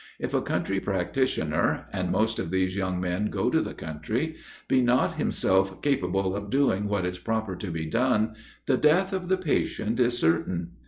If a country practitioner (and most of these young men go to the country) be not himself capable of doing what is proper to be done, the death of the patient is certain.